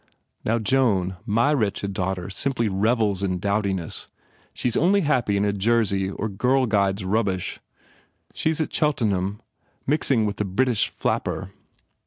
Now Joan my wretched daughter simply revels in dowdiness. She s only happy in a jersey or .Girl Guides rub bish. She s at Cheltenham, mixing with the Brit ish flapper.